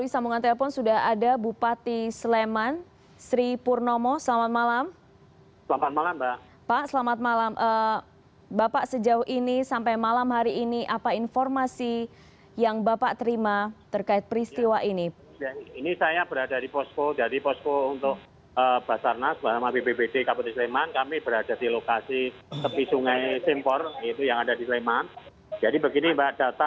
sampai jumpa di video selanjutnya